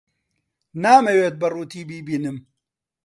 نامەوێت بە ڕووتی بیبینم.